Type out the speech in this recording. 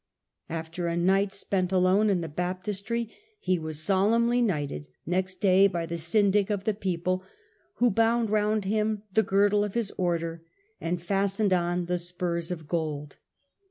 After a night spent alone in the Baptistery he was solemnly knighted next day by the syndic of the people, who bound round him the girdle of his order and fastened on the spurs of gold.